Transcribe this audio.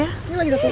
ini lagi satu